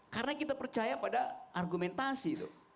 karena kita percaya pada argumentasi itu